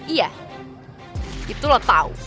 iya itu lo tau